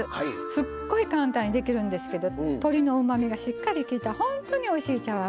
すっごい簡単にできるんですけど鶏のうまみがしっかりきいたほんとにおいしい茶碗蒸しです。